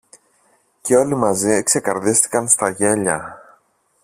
Και όλοι μαζί ξεκαρδίστηκαν στα γέλια.